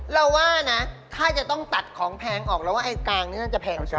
ถ้าถ้าจะต้องตัดของแพงออกแล้วกางนี่น่าจะแพง